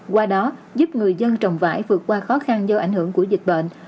qua đó giúp người dân trồng vải vượt qua khó khăn do ảnh hưởng của dịch bệnh